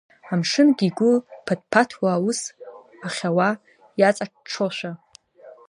Амшынгьы игәы ԥаҭԥаҭуа аус ахьауа иаҵаҽҽошәа.